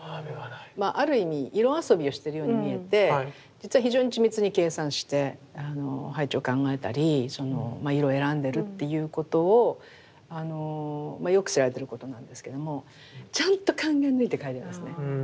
ある意味色遊びをしてるように見えて実は非常に緻密に計算して配置を考えたり色を選んでるっていうことをよく知られてることなんですけれどもちゃんと考え抜いて描いてますね。